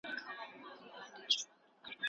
ایا ستا سترګې له ډیرو کتلو ستړې سوي دي؟